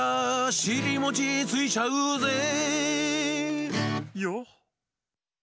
「しりもちついちゃうぜ」ヨ？